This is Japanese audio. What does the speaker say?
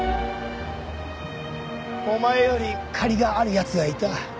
お前より借りがある奴がいた。